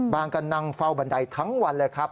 ก็นั่งเฝ้าบันไดทั้งวันเลยครับ